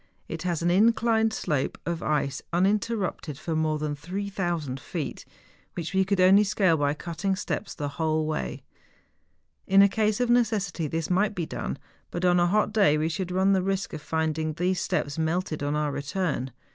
It has an inclined slope of ice uninterrupted for more than 3000 feet, which we could only scale by cutting steps the whole way. In a case of necessity this might be done; but on a hot day we should run the risk of finding these steps melted on our return.